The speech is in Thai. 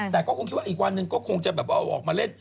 แต่ก็คงคิดว่าอีกวันหนึ่งก็คงจะแบบเอาออกมาเล่น